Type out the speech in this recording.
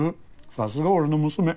さすが俺の娘。